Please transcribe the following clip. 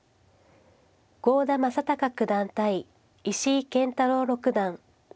郷田真隆九段対石井健太郎六段。